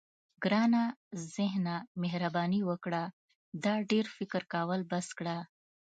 ګرانه ذهنه مهرباني وکړه دا ډېر فکر کول بس کړه.